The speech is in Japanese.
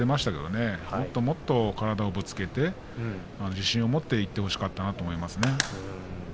もっともっと体をぶつけて自信を持っていってほしかったなと思いますね。